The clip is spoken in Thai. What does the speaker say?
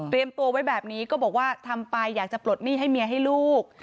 ตัวไว้แบบนี้ก็บอกว่าทำไปอยากจะปลดหนี้ให้เมียให้ลูก